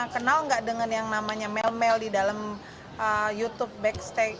kenal nggak dengan yang namanya mel mel di dalam youtube backstage